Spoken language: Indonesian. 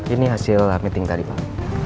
ini hasil meeting tadi pak